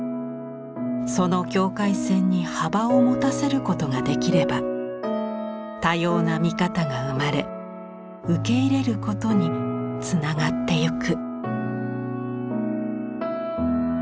その境界線に幅を持たせることができれば多様な見方が生まれ受け入れることにつながってゆく。